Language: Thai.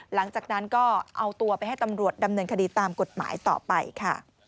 หลังจากนั้นก็เอาตัวไปให้ตำรวจดำเนินคดีตามกฎหมายต่อไปค่ะ